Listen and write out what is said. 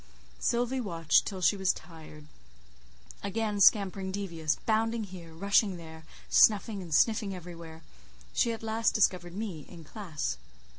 Sylvie watched till she was tired. Again scampering devious, bounding here, rushing there, snuffing and sniffing everywhere; she at last discovered me in classe.